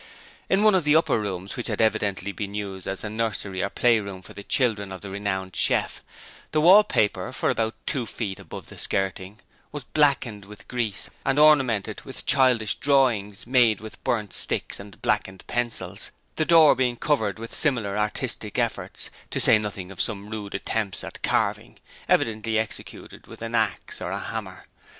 In one of the upper rooms which had evidently been used as a nursery or playroom for the children of the renowned chef, the wallpaper for about two feet above the skirting was blackened with grease and ornamented with childish drawings made with burnt sticks and blacklead pencils, the door being covered with similar artistic efforts, to say nothing of some rude attempts at carving, evidently executed with an axe or a hammer.